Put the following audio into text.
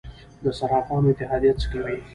د صرافانو اتحادیه څه کوي؟